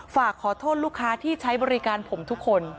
ฝากขอโทษลูกค้าที่ใช้บริการผมทุกคน